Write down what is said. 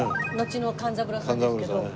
のちの勘三郎さんですけど。